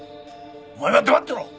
お前は黙ってろ！